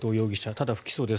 ただ、不起訴です。